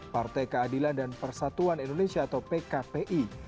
partai keadilan dan persatuan indonesia atau pkpi